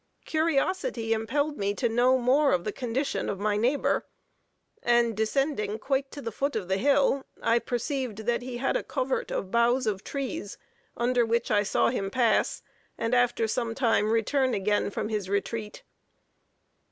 Curiosity impelled me to know more of the condition of my neighbor; and descending quite to the foot of the hill, I perceived that he had a covert of boughs of trees, under which I saw him pass, and after some time return again from his retreat.